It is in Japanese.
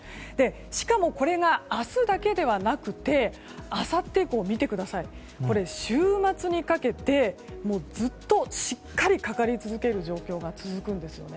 しかも、明日だけではなくてあさって以降、週末にかけてずっとしっかりかかり続ける状況が続くんですよね。